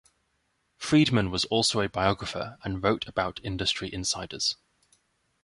Freedman was also a biographer and wrote about industry insiders.